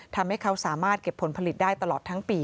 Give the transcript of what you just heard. ทำให้เขาสามารถเก็บผลผลิตได้ตลอดทั้งปี